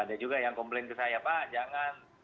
ada juga yang komplain ke saya pak jangan